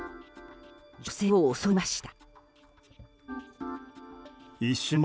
女性を襲いました。